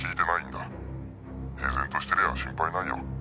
「平然としてりゃあ心配ないよ」